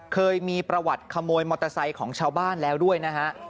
เคยมีประวัติขโมยมอเตอร์ไซค์ของชาวบ้านแล้วด้วยนะฮะ